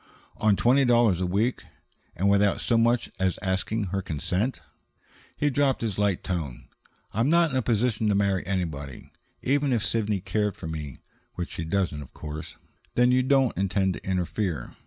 "On twenty dollars a week? And without so much as asking her consent?" He dropped his light tone. "I'm not in a position to marry anybody. Even if Sidney cared for me, which she doesn't, of course " "Then you don't intend to interfere?